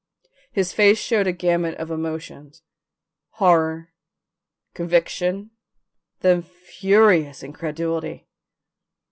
His face showed a gamut of emotions horror, conviction, then furious incredulity.